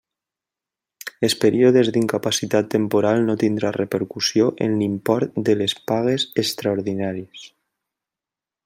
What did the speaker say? Els períodes d'incapacitat temporal no tindran repercussió en l'import de les pagues extraordinàries.